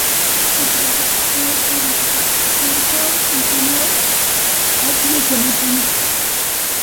Las edades postuladas para los estratos portadores fueron asignadas al Plioceno inferior.